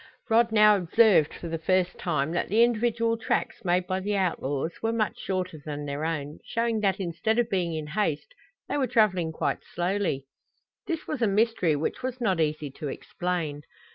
Rod now observed for the first time that the individual tracks made by the outlaws were much shorter than their own, showing that instead of being in haste they were traveling quite slowly. This was a mystery which was not easy to explain.